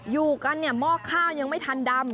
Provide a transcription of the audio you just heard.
อยู่กันเนี่ยหม้อข้าวยังไม่ทันดำ